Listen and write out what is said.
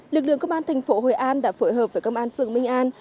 lực lượng công an thành phố hội an đã phối hợp với công an phường minh an